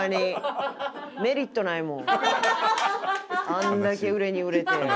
あんだけ売れに売れて。